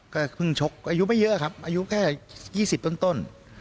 ก็เพิ่งชกอายุไม่เยอะครับอายุแค่๒๐ต้น